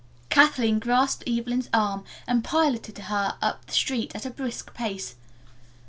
Kathleen grasped Evelyn's arm and piloted her up the street at a brisk pace.